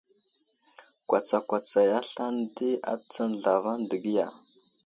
Kwatsakwatsaya aslane di atsən zlavaŋ degiya.